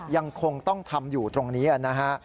ยังคงต้องทำอยู่ตรงนี้นะฮะ